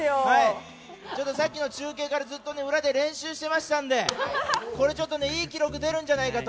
さっきの中継からずっと裏で練習していましたんで、いい記録、出るんじゃないかと。